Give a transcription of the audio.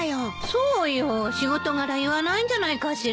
そうよ仕事柄言わないんじゃないかしら。